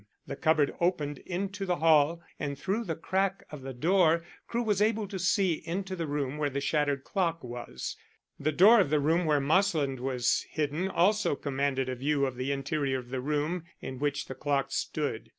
The cupboard opened into the hall, and through the crack of the door Crewe was able to see into the room where the shattered clock was. The door of the room where Marsland was hidden also commanded a view of the interior of the room in which the clock stood.